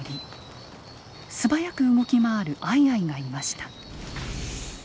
素早く動き回るアイアイがいました。